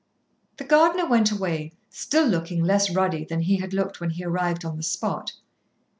The gardener went away, still looking less ruddy than he had looked when he arrived on the spot.